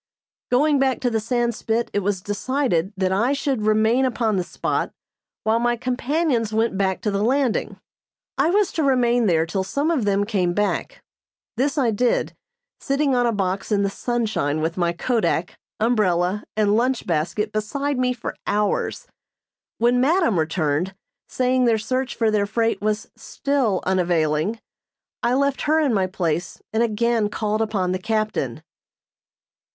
Going back to the Sandspit, it was decided that I should remain upon the spot, while my companions went back to the landing. I was to remain there till some of them came back. This I did, sitting on a box in the sunshine with my kodak, umbrella and lunch basket beside me for hours. When madam returned, saying their search for their freight was still unavailing, I left her in my place and again called upon the captain.